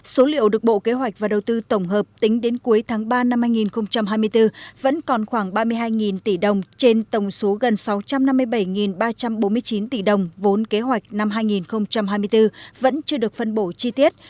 số liệu được bộ kế hoạch và đầu tư tổng hợp tính đến cuối tháng ba năm hai nghìn hai mươi bốn vẫn còn khoảng ba mươi hai tỷ đồng trên tổng số gần sáu trăm năm mươi bảy ba trăm bốn mươi chín tỷ đồng vốn kế hoạch năm hai nghìn hai mươi bốn vẫn chưa được phân bổ chi tiết